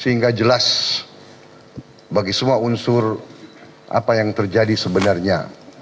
sehingga jelas bagi semua unsur apa yang terjadi sebenarnya